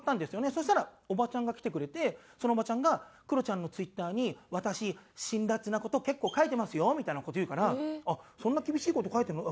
そしたらおばちゃんが来てくれてそのおばちゃんが「クロちゃんのツイッターに私辛辣な事結構書いてますよ」みたいな事言うから「そんな厳しい事書いてるの？